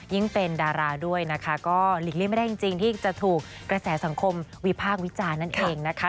เป็นดาราด้วยนะคะก็หลีกเลี่ยไม่ได้จริงที่จะถูกกระแสสังคมวิพากษ์วิจารณ์นั่นเองนะคะ